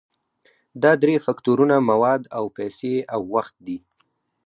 دا درې فکتورونه مواد او پیسې او وخت دي.